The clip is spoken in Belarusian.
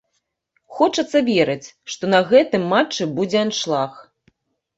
Хочацца верыць, што на гэтым матчы будзе аншлаг.